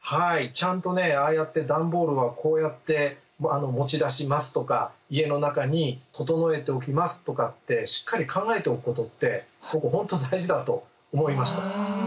ちゃんとねああやってダンボールはこうやって持ち出しますとか家の中に整えておきますとかってしっかり考えておくことって僕本当大事だと思いました。